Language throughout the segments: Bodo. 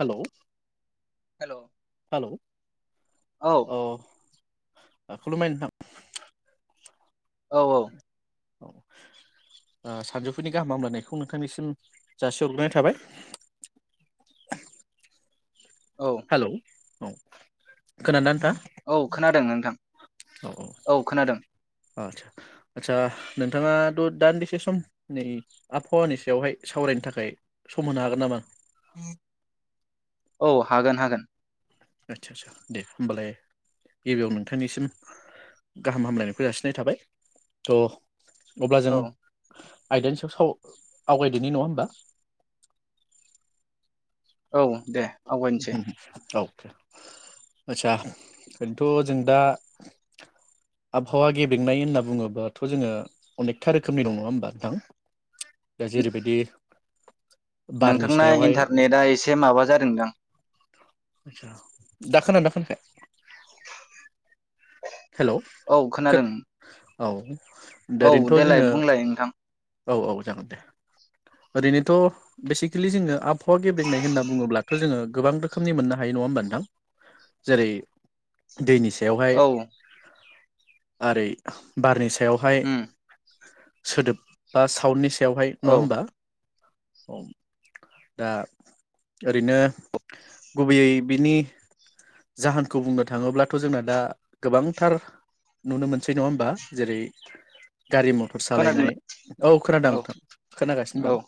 हेल' हेलौ हेल' औ अ खुलुमबाय नोंथां औ औ औ सानजौफुनि गाहाम हामलायनायखौ नोंथांनिसिम जासिहरग्रोनाय थाबाय हेल' औ खोनादोंना नोंथाङा औ खोनादों नोंथां औ खोनादों आचसा आदसा नोंथाङाथ' दान्दिसे सम नै आबहावानि सायावहाय सावरायनो थाखाय सम होनो हागोन नामा औ हागोन हागोन आदसा आदसा दे होमबालाय गिबियाव नोंथांनिसिम गाहाम हामलायनायखौ जासिनाय थाबाय थ' अब्ला जों औ आयदानि सायाव साव आवगायदोनि नङा होमबा औ दे आवगायनोसै औ आचसा ओरैनोथ' जों दा आबहावा गेबेंनाय होनना बुङोबाथ' जोङो अनेकथा रोखोमनि दं नङा होमबा नोंथां दा जेरैबायदि नोंथांना इन्टारनेटआ एसे माबा जादों आतसा दा खोनादोंना खोनायाखै हेल' औ खो खोनादों औ दा औ ओरैनोथ' देलाय जोङो बुंलाय नोंथां औ औ जागोन दे ओरैनोथ' बेसिकेलि जोङो आब [inaudible] गेबेेंनाय होनना बुङोब्ला थ' जोङो गोबां रोखोमनि मोननो हायो नङा होमबा नोंथां जेरै दैनि सायावहाय औ ओरै बारनि सा सायावहाय उम सोदोब बा साउन्डनि सायावहाय नङा औ होमबा ओ दा ओरैनो गुबैयै बिनि जाहोनखौ बुंनो थाङोब्लाथ' जोंना दा गोबांथार नुनो मोनसै नङा होमबा जेरै गारि मथर खोनादों सालायनाय औ खोनादों नोंथां खोनागासिनो दं औ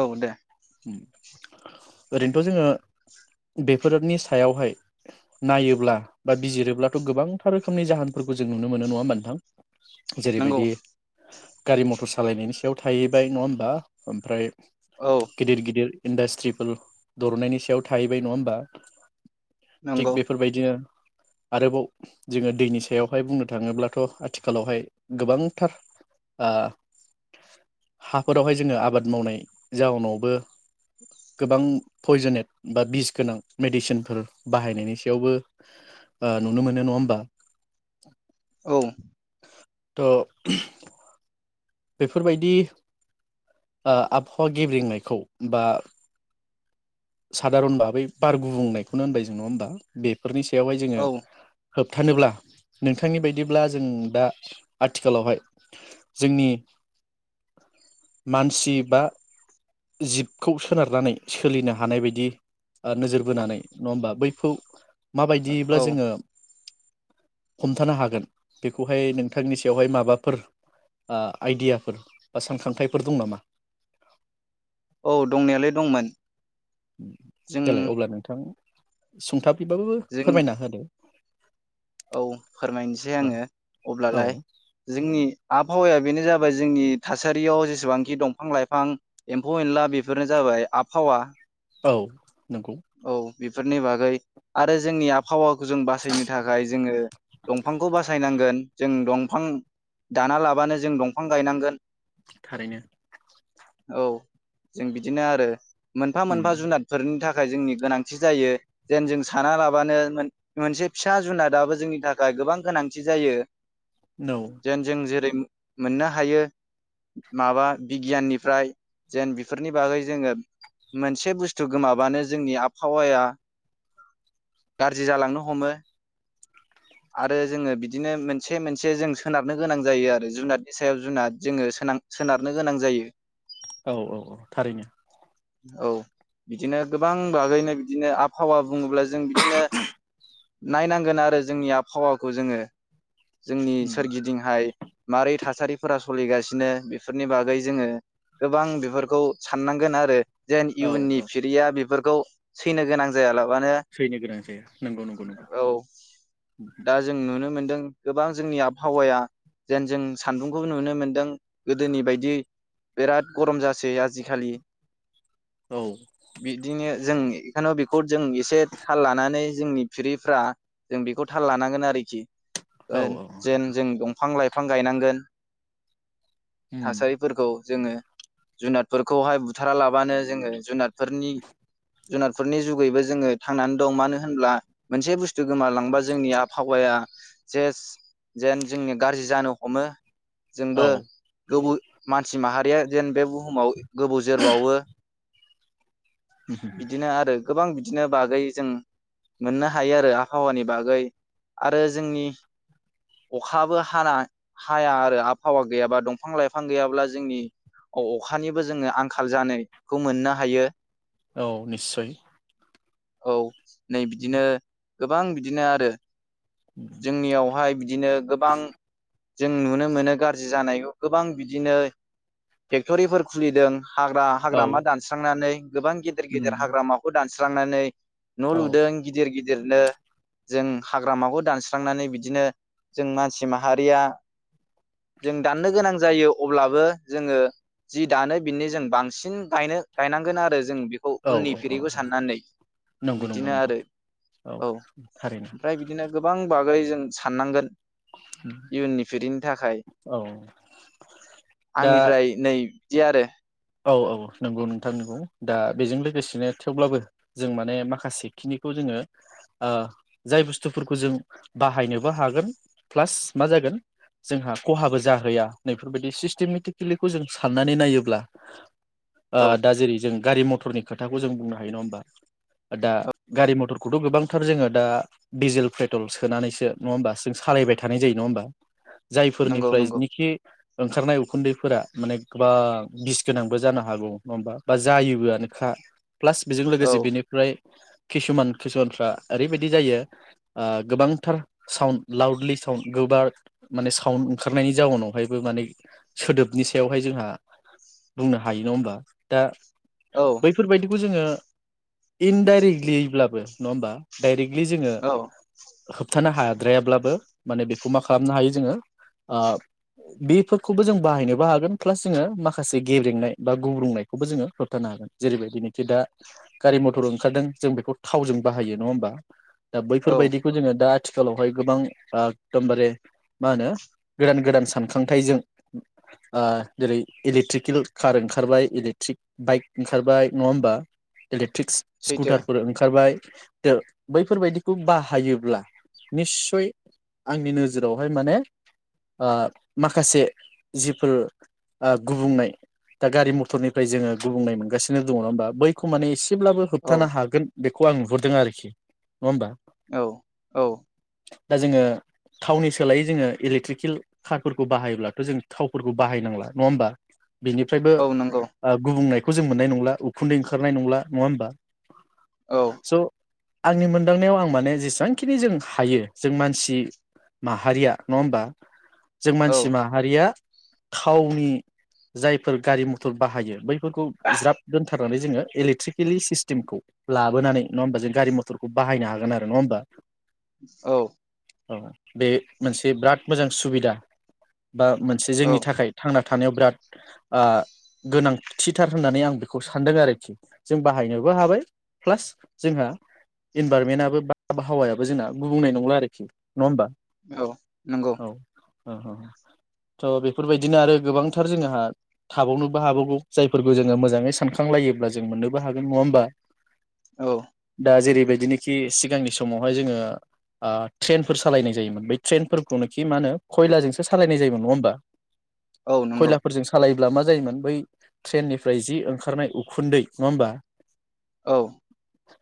औ दे उम ओरैनोथ' जोङो बेफोरनि सायावहाय नायोब्ला बा बिजिरोब्ला [inaudible] गोबांथार रोखोमनि जाहोनफोरखौ जों नुनो मोनो नङा होमबा नोंथां नंगौ जेरैबायदि गारि मथर सालायनायनि सायाव थाहैबाय नङा होमबा ओमफ्राय औ गिदिर गिदिर इन्डास्ट्रिफोर द'रननायनि सायाव थाहैबाय नङा होमबा नंगौ थिग बेफोरबायदिनो आरोबाव जोङो दैनि सायावहाय बुंनो थाङोब्लाथ' आथिखालावहाय गोबांथार ओ हाफोरावहाय जोङो आबाद मावनाय जाउनावबो गोबां पयजेनेट बा बिस गोनां मेडिसिनफोर बाहायनायनि सायावबो [unintelligible] ओ नुनो मोनो नङा होमबा औ थ' [unintelligible] बेफोरबायदि ओ आबहावा गेबेंनायखौ बा सादारन बा बै बार गुबुंनायखौनो होनबाय जों नङा होमबा बे फोरनि सायावहाय जोङो औ होबथानोब्ला नोंथांनि बायदिब्ला जों दा आथिखालावहाय जोंनि मानसि बा जिबखौ सोनारनानै सोलिनो हानाय बायदि ओ नोजोर बोनानै नङा होमबा बैखौ माबायदिब्ला औ जोङो हमथानो हागोन बेखौहाय नोंथांनि सायावहाय माबाफोर ओ आइडियाफोर बा सानखांथाइफोर दं नामा औ दंनायालाय दंमोन जों देलाय अब्ला नोंथां सुंथाब [inaudible] बाबो जों फोरमायना होदो औ फोरमायनोसै औ आङो अब्लालाय औ जोंनि आबहावाया बेनो जाबाय जाबाय जोंनि थासारियाव जेसेबांखि दंफां लाइफां एम्फौ एनला बेफोरनो जाबाय आबहावा औ नंगौ औ बेफोरनि बागै आरो जोंनि आबहावा खौ जों बासायनो थाखाय जोंङो, दंफांखौ बासायनांगोन जों दंफां दाना लाबानो जों दंफां गायनांगोन, थारैनो औ जों बिदिनो आरो उम मोनफा-मोनफा जुनादफोरनि थाखाय थाखाय जोंनि गोनांथि जायो जेन जों साना लाबानो मो-मोनसे फिसा जुनादाबो जोंनि थाखाय गोबां गोनांथि जायो, औ जेन जों जेरै, मोननो हायो माबा बिगियाननिफ्राय जेन बेफोरनि बागै जोंङो मोनसे बुस्थु गोमाबानो जों जोंनि आबहावाया गाज्रि जालांनो हमो। आरो जोंङो बिदिनो मोनसे मोनसे जों सोनारनो गोनां जायो आरो जुनादनि सायाव जुनाद जोंङोनां सो-सोनारनो गोनां जायो। औ औ औ थारैनो। औ बिदिनो गोबां बागैनो बिदिनो आबहावा बुंङोब्ला जों बिदिनो नायनांगोन आरो जोंनि आब। हावाखौ जोंङो। जोंनि उम सोरगिदिंहाय मारै थासारिफोरा। सलिगासिनो बेफोरनि बागै जोंङो गोबां बेफोरखौ साननांगोन आरो। जेन औ इयुननि औ फिरिया बेफोरखौ। सैनो गोनां जायाल। सैनो गोनां जाया नंगौ नंगौ नंगौ। औ दा जों। नुनो मोनदों गोबां जोंनि आबहावाया जेन जों सान्दुंखौ नुनो मोन्दों गोदोनि बायदि बिराद गरम जासै आजि-खालि। औ बिदिनो जोंनि। [unintelligible] जों एसे थाल लानानै जोंनि। फिरिफ्रा जों बेखौ। थाल लानांगोन आरोखि। औ ओह औ जेन जों दंफां-लाइ। फां गायनांगोन। उम थासारिफोरखौ जोंङो जुनादफोरखौहाय बुथारा लाबानो जोंङो जुनाद। फोरनि जुनारफोरनि जुगैबो जोंङो थांनानै दं मानो होनब्ला मोनसे बुस्थु गोमा लांबा जो। आवगाया जेस-जेन जोंनिया गाज्रि जानो हमो। औ जोंबो गोब। मानसि माहारिया जेन बे बुहुमाव। गोबाव जोरबावो। बिदिनो आरो गोबां बि। दिनो बागै जों मोननो हायो आरो आबहावानि बाग। गै आरो जोंनि अखाबो हाला हाया आरो आबहावा गैयाबा दंफां लाइफां गैयाब्ला जोंनि अखानिबो जोङो आंखाल जानायखौ मोननो हायो। औ निस्सय। औ नै बिदिनो। गोबां बिदिनो। रो [inaudible] जोंनियावहाय बिदिनो गोबां। जों नुनो मोनो गाज्रि जानायखौ गोबां बिदिनो फेक्टरिफोर खुलिदों। हाग्रा औ हाग्रामा दानस्रांनानै गोबां गेदेर गेदेर उम हाग्रामाखौ दानस स्रांनानै न' औ लुदों गिदिर गिदि रनो जों हाग्रामाखौ दानस्रांनानै बिदिनो जों मानसि माहारिया जों दाननो गोनां जायो अब्लाबो जोङो जि दानो बिनो जों बांसिन गायनो गायनांगोन आरो जों बेखौ औ उननि औ फिरिखौ साननानै नंगौ नंगौ बिदिनो नंगौ आरो औ थारैनो ओमफ्राय बिदिनो गोबां बागै जों साननांगोन। इयुननि फिरिनि थाखाय औ दा आंनिफ्राय नै इदि आरो औ औ नंगौ नोंथां नंगौ दा बेजों लोगोसेनो थेवब्लाबो जों माने माखासे खिनिखौ जोङो ओ जाय बुस्थुफोरखौ जों बाहायनोबो हागोन प्लास मा जागोन जोंहा खहाबो जाहैया नैफोरबायदि सिस्टेमेटिकेलिखौ जों साननानै नायोब्ला [inaudible] ओ औ दा जेरै जों गारि मटरनि खोथाखौ जों बुंनो हायो नङा होमबा दा औ गारि मथरखौथ' गोबांथार जोङो दा डिजेल पेट्रल सोनानैसो नङा होमबा जों सालायबाय थानाय जायो नङा होमबा नंगौ जायफोरनिफ्राय नंगौ जिनोखि ओंखारनाय उखुन्दैफोरा माने गोबां बिस गोनांबो जानो हागौ नङा होमबा बा जायोबोआनोखा। प्लास बेजों औ लोगोसे बेनिफ्राय किसुमान किसुमानफ्रा ओरैबायदि जायो ओ गोबांथार साउण्ड लाउडलि साउण्ड गोबार माने साउण्ड ओंखारनायनि जाउनावहायबो माने सोदोबनि सायावहाय जोंहा बुंनो हायो नङा होमबा दा औ बैफोरबायदिखौ जोङो इनडाइरेक्टलिब्लाबो नङा होमबा डाइरेक्ट लि जोङो औ होबथानो हाया द्रायाब्लाबो माने बेखौ मा खालामनो हायो जोङो ओ बेफोरखौबो जों बाहायनोबो हागोन प्लास जोङो माखासे जे गेब्रेंनाय बा गुब्रुंनायखौबो जोङो होबथानो हागोन जेरैबायदिनोखि दा गारि मथर ओंखारदों जों बेखौ थावजों बाहायो नङा होमबा दा औ बैफोरबायदिखौ जोङो दा आथिखालावहाय गोबां आकदमबारे मा ओनो गोदान गोदान सानखांथाइजों ओ जेरै इलेकट्रिक केल कार ओंखारबाय इलेकट्रिक बाइक ओंखारबाय नङा ओमबा इलेक थिक्स सैथो स्कुटारफोर ओंखारबाय। [unintelligible] बैफोरबायदिखौ बाहायोब्ला निस्सय आंनि नोजोरावहाय माने ओ माखासे जिफोर ओ गुबुंनाय दा गारि मथरनिफ्राय जोङो गुबुंनाय मोनगासिनो दङ नङा ओमबा बैखौ माने इसे ब्लाबो औ होबथानो हागोन बेखौ आं नुहुरदों आरोखि। होमबा औ औ दा जोङो थावनि सोलायै जोङो इलेक्ट्रिकेल कारफोरखौ बाहायोब्लाथ' जों थावफोरखौ बाहायनांला नङा ओमबा बिनिफ्रायबो औ नंगौ ओ गुबुंनाय खौ जों मोननाय नंला उखुन्दै ओंखारनाय नंला नङा ओमबा? औ आंनि मोनदांनायाव आं माने जेसांखिनि जों हायो जों मानसि माहारिया नङा ओमबा? जों औ मानसि माहारिया थावनि। जायफोर गारि मथर बाहायो बै फोरखौ ज्राब दोनथार नानै जोङो इलेकट्रिकेलि सिस्टिमखौ लाबोनानै नङा ओमबा जों गारि मथरखौ बाहायनो हागोन आरो। नङा ओमबा? औ औ बे मोनसे बिराद मोजां सुबिदा। बा मोनसे जोंनि औ थाखाय थांना थानायाव बिराद ओ- गोनांथिथार होननानै आं बेखौ सानदों आरोखि जों बाहायनोबो हाबाय प्लास जोंहा इनभारमेनाबो बा आबहावायाबो जोंना गुबुंनाय नंला आरोखि। नङा औ नंगौ ओं ओं थ बेफोरबायदिनो आरो गोबांथार जोङो। हा थाबावनोबो हाबावगौ जायफोरखौ जोङो मोजाङै सानखांलायोब्ला जों मोननोबो हागोन। नङा ओमबा? औ दा जेरैबायदिनोखि सिगांनि समावहाय जोङो आ ट्रेन फोर सालायनाय जायोमोन बै ट्रेन फोरफोरखौनोखि मा ओनो खयलाजोंसो सालायनाय जायोमोन। नङा ओमबा? औ नंगौ सालायोब्ला मा जायोमोन बै ट्रेननिफ्राय जि ओंखारनाय उखुन्दै नङा ओमबा? औ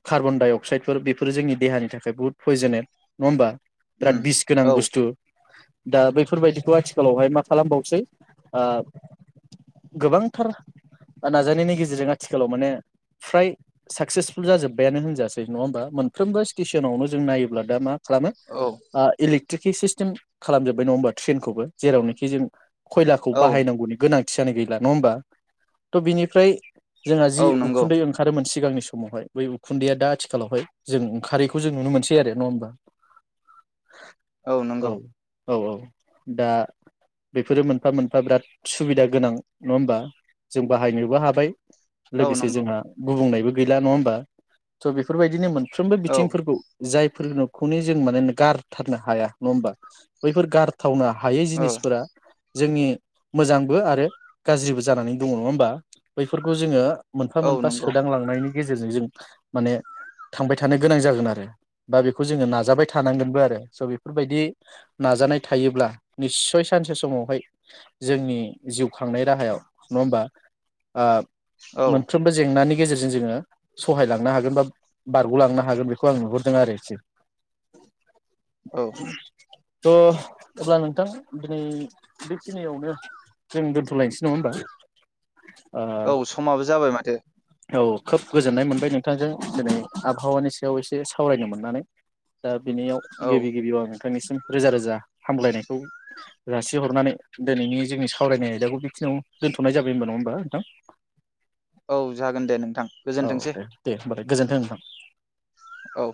खार्बन डाइ अक्साइदफोर बेफोर जोंनि देहानि थाखाय बुहुत पयजनेट नङा ओमबा? उम बिराद बिस गोनां औ बुस्थु। दा बैफोरबायदिखौ आथिखालावहाय मा खालामबावसै ओ - गोबांथार नाजानायनि गेजेरजों आथिखालाव माने फ्राय साक्सेसफुल जाजोब्बायानो होनजासै नङा ओमबा मोनफ्रोमबो स्टेसनावनो जों नायोब्ला दा मा? खालामो औ आ इलिक ट्रिकि सिस्टेम खालामजोब्बाय नङा ओमबा ट्रेनखौबो जेरावनोखि जों। खयलाखौ औ बाहायनांगौ गोनांथियानो गैला नङा होबा थ' बिनिफ्राय जोंहा औ जि नंगौ उखुन्दै ओंखारोन सिगांनि समावहाय बै उखुन्दैया दा आथिखालावहाय जों ओंखारैखौ जों नुनो मोनसै आरो नङा होमबा? औ नंगौ औ औ दा बेफोरो मोनफा मोनफा बिराद। सुबिदा गोनां नङा होमबा जों बाहायनोबो हाबाय। औ लोगोसे नंगौ जोंहा गुबुंनायबो गैला नङा होमबा स' बेफोरबायदिनो मोन साफ्रोमबो औ बिथिंफोरखौ जाय [unintelligible] जों माने गारथारनो हाया नङा होमबा? बैफोर गार थावनो हायै औ जिनिसफोरा जोंनि मोजांबो आरो गाज्रिबो जानानै दङ नङा होमबा? बैफोरखौ जोङो मोनफा औ मोनफा नंगौ सोदांलांनायनि गेजेरजों जों माने थांबाय थानो गोनां जागोन आरो बा बेखौ जोङो नाजाबाय थानांगोनबो आरो स' बेफोरबायदि नाजानाय थायोब्ला निस्सय सानसे समावहाय जोंनि जिउ खांनाय राहायाव नङा होमबा? आ औ मोनफ्रोमबो जेंनानि गेजेरजों जोङो सहाय लांनो हागोन बा बारग'लांनो हागोन बेखौ आं नुहुरदों आरोखि। औ। थ' अब्ला नोंथां दिनै बेखिनियावनो जों दोन्थ'लायनोसै नङा होमबा? ओ औ समाबो जाबाय माथो। औ खोब गोजोननाय मोनबाय नोंथांजों दिनै आबहावानि सायाव एसे सावरायनो मोननानै। दा बिनियाव औ गिबि गिबियाव आङो नोंनिसिम रोजा रोजा हामग्लायनायखौ जासिहरनानै दोनैनि जोंनि सावरायनाय आयदाखौ बेखिनियाव दोनथ'नाय जाबाय होनबा नङा होमबा नोंथां? औ जागोन दे नों थां गोजोनथोंसै। होनबालाय गोजोन्थों नोंथां। औ।